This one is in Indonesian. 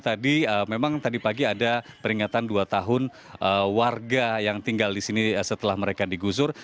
tadi memang tadi pagi ada peringatan dua tahun warga yang tinggal di sini setelah mereka digusur